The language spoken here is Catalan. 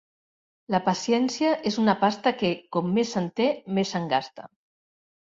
La paciència és una pasta que, com més se'n té, més se'n gasta.